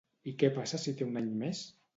I què passa si té un any més?